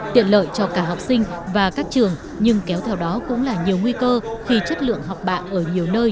tiện lợi cho cả học sinh và các trường nhưng kéo theo đó cũng là nhiều nguy cơ khi chất lượng học bạ ở nhiều nơi